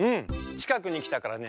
ちかくにきたからね